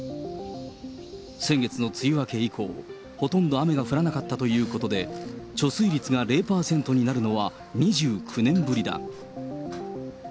先月の梅雨明け以降、ほとんど雨が降らなかったということで、貯水率が０％になるのは２９年ぶりだ。